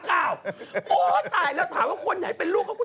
แล้วมีลูกสาวเลยเป็นตุ๊ดขึ้นทุกวัน